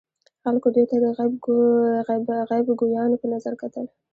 خلکو دوی ته د غیب ګویانو په نظر کتل.